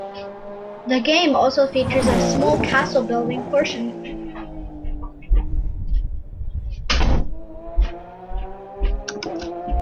The game also features a small castle-building portion.